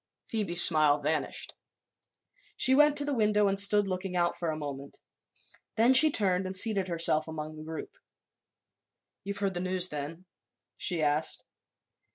Phoebe's smile vanished. She went to the window and stood looking out for a moment. Then she turned and seated herself among the group. "You've heard the news, then?" she asked.